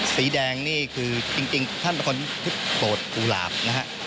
สีแดงนี่คือจริงท่านเป็นคนที่โปรดกุหลาบนะฮะ